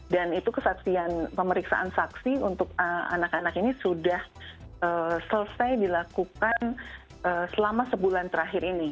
dan itu kesaksian pemeriksaan saksi untuk anak anak ini sudah selesai dilakukan selama sebulan terakhir ini